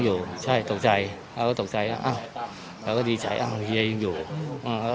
อยู่ใช่ตกใจแล้วก็ตกใจแล้วอ้าวแล้วก็ดีใจอ้าวเฮียยังอยู่อ่าวแล้ว